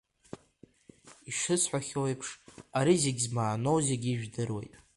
Ишысҳәахьоу еиԥш, ари зегь змааноу зегьы ижәдыруеит…